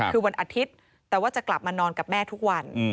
คือวันอาทิตย์แต่ว่าจะกลับมานอนกับแม่ทุกวัน